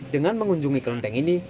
dengan mengunjungi kelenteng ini